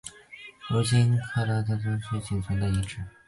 如今喀喇河屯行宫仅存遗址。